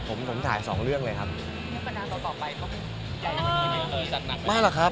ผมถ่ายสองเรื่องเลยครับ